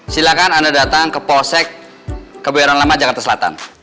silahkan anda datang ke posek keberan lama jakarta selatan